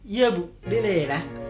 iya bu belilah